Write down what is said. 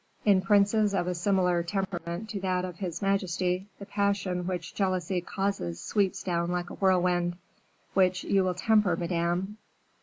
In princes of a similar temperament to that of his majesty, the passion which jealousy causes sweeps down like a whirlwind." "Which you will temper, Madame."